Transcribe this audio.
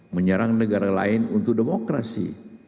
menyerang negara lain untuk demokrasi